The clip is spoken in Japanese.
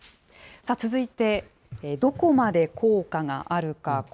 続いて、どこまで効果があるか。